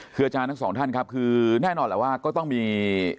คืออาจารย์ทั้งสองท่านครับคือแน่นอนแหละว่าก็ต้องมี